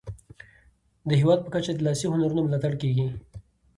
د هیواد په کچه د لاسي هنرونو ملاتړ کیږي.